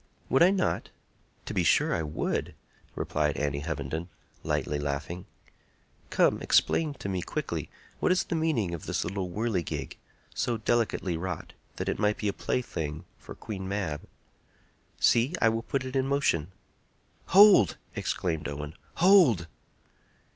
"Would I not? to be sure I would!" replied Annie Hovenden, lightly laughing. "Come; explain to me quickly what is the meaning of this little whirligig, so delicately wrought that it might be a plaything for Queen Mab. See! I will put it in motion." "Hold!" exclaimed Owen, "hold!"